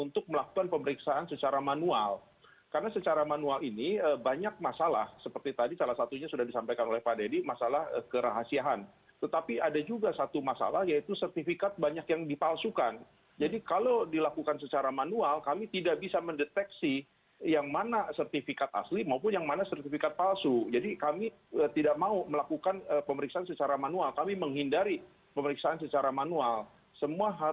transaksi ekonomi yang juga